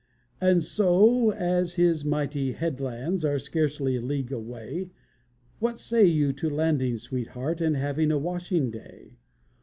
"And so as his mighty 'headlands' Are scarcely a league away, What say you to landing, sweetheart, And having a washing day?